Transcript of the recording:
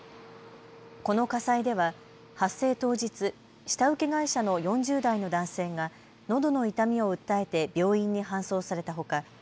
この火災では発生当日、下請け会社の４０代の男性がのどの痛みを訴えて病院に搬送されたほか